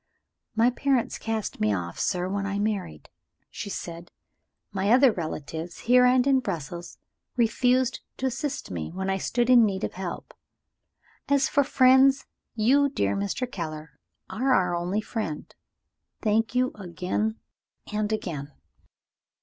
"My parents cast me off, sir, when I married," she said; "my other relatives here and in Brussels refused to assist me when I stood in need of help. As for friends you, dear Mr. Keller, are our only friend. Thank you again and again."